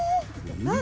何？